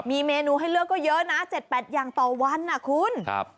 มีเมนูให้เลือกก็เยอะนะ๗๘อย่างต่อวันนะคุณครับ